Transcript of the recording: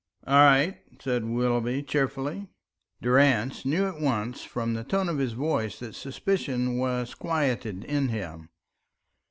"All right," said Willoughby, cheerfully. Durrance knew at once from the tone of his voice that suspicion was quieted in him.